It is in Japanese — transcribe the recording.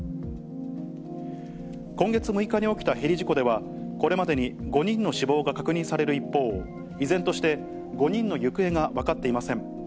今月６日に起きたヘリ事故では、これまでに５人の死亡が確認される一方、依然として、５人の行方が分かっていません。